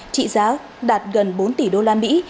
trị giá đạt gần bốn tỷ đô la mỹ